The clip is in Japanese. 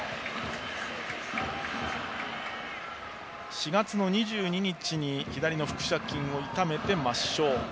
４月の２２日に左の腹斜筋を痛めて、抹消。